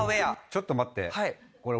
ちょっと待って。